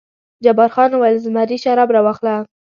جبار خان وویل: زمري شراب راواخله.